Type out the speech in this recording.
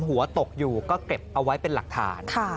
หัวตกอยู่ก็เก็บเอาไว้เป็นหลักฐาน